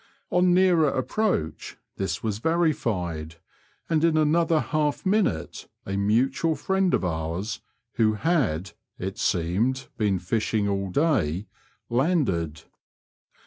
On nearer approach this was verified, and in another half minute a mutual friend of ours, who had, it seemed, been fishing all day, landed.